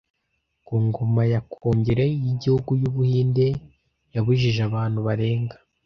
Ku ngoma ya Kongere y’igihugu y’Ubuhinde yabujije abantu barenga